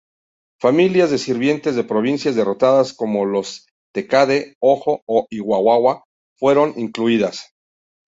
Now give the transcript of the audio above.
Familias de sirvientes de provincias derrotadas como las Takeda, Hōjō o Imagawa fueron incluidas.